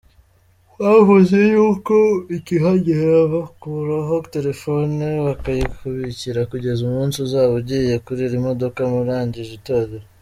Twavuze yuko ukihagera bagukuraho telefone, bakayikubikira kugeza umunsi uzaba ugiye kurira imodoka murangije itorero.